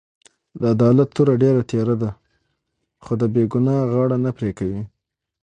د عدالت توره ډېره تېره ده؛ خو د بې ګناه غاړه نه پرې کوي.